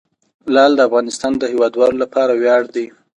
لعل د افغانستان د هیوادوالو لپاره ویاړ دی.